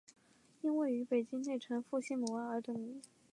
因位于北京内城复兴门外而得名。